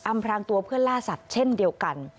พรางตัวเพื่อล่าสัตว์เช่นเดียวกัน